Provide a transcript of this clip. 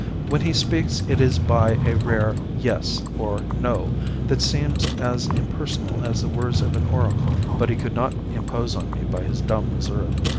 When he speaks it is by a rare 'yes' or 'no' that seems as impersonal as the words of an oracle. But he could not impose on me by his dumb reserve.